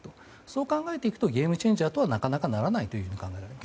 そう考えていくとゲームチェンジャーとはなかなかならないというふうに考えられます。